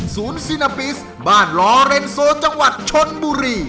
ซีนาปิสบ้านลอเรนโซจังหวัดชนบุรี